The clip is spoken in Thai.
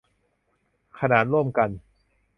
ขนานร่วมกัน